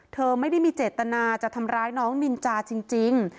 เธอไม่ได้มีเจตนาจะทำร้ายน้องนินจาจริง